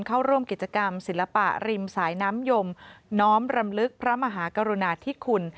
เข้าร่วมกิจกรรมศิลปะริมสายน้ำยมน้อมรำลึกพระมหากรุณาธิคุณ